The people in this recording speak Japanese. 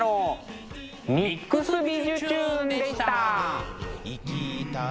「ＭＩＸびじゅチューン！」でした。